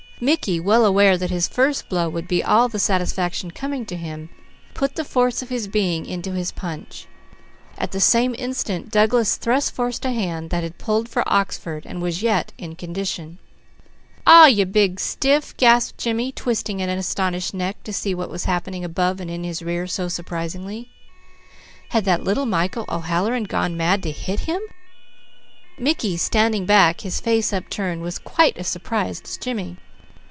Mickey, well aware that his first blow would be all the satisfaction coming to him, put the force of his being into his punch. At the same instant Douglas thrust forth a hand that had pulled for Oxford and was yet in condition. "Aw, you big stiff!" gasped Jimmy, twisting an astonished neck to see what was happening above and in his rear so surprisingly. Had that little Mickey O'Halloran gone mad to hit him? Mickey standing back, his face upturned, was quite as surprised as Jimmy.